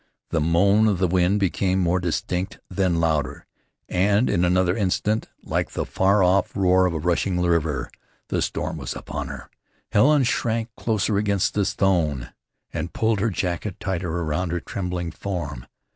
The moan of the wind became more distinct, then louder, and in another instant like the far off roar of a rushing river. The storm was upon her. Helen shrank closer against the stone, and pulled her jacket tighter around her trembling form.